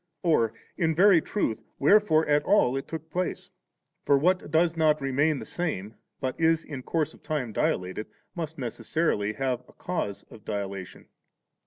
or, in very truth, wherefore at all it took place ? for what does not remain the same, but is in course of time dilated, must necessarily have a cause of dila tation.